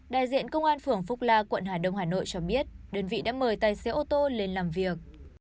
đại diện công an phường phúc la quận hà đông hà nội cho biết đơn vị đã mời tài xế ô tô lên làm việc